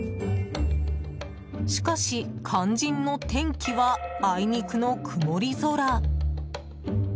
しかし、肝心の天気はあいにくの曇り空。